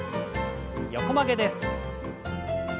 横曲げです。